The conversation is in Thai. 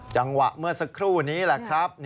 จังหวะเมื่อสักครู่นี้แหละครับ